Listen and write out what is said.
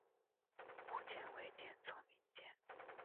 武器为天丛云剑。